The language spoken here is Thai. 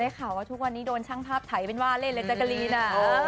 ได้ข่าวว่าทุกวันนี้โดนช่างภาพถ่ายเป็นว่าเล่นเล่นจักรีนอ่ะ